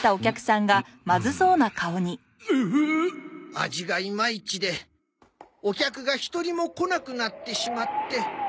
味がいまいちでお客が一人も来なくなってしまって。